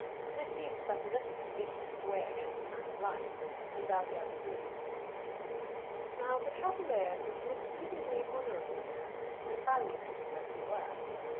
This seemed but a little condition to weigh against a man's life, and Dalyell agreed. Now, the cavalier was an exceedingly honorable man and valued his spoken word.